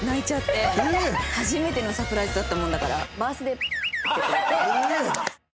初めてのサプライズだったもんだから。